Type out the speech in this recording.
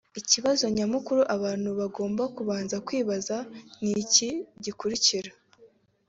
Ikibazo nyamukuru abantu bagomba kubanza kwibaza ni iki gikurikira